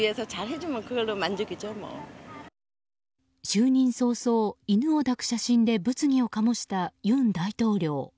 就任早々、犬を抱く写真で物議を醸した尹大統領。